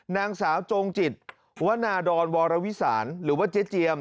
นางสาวจงจิตวนาดรวรวิสานหรือว่าเจ๊เจียม